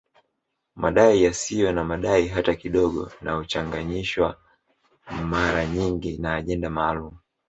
Madai yasiyo na madai hata kidogo na huchanganyishwa mara nyingi na ajenda maalum